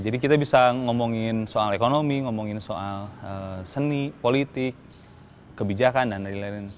jadi kita bisa ngomongin soal ekonomi ngomongin soal seni politik kebijakan dan lain lain